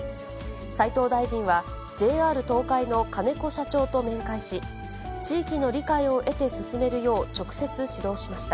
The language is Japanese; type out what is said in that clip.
斉藤大臣は、ＪＲ東海の金子社長と面会し、地域の理解を得て進めるよう直接指導しました。